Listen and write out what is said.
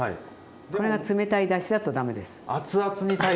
これが冷たいだしだとダメです。